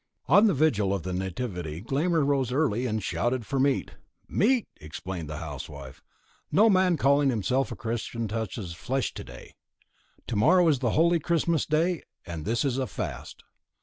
On the vigil of the Nativity Glámr rose early and shouted for meat. "Meat!" exclaimed the housewife; "no man calling himself a Christian touches flesh to day. To morrow is the holy Christmas Day, and this is a fast."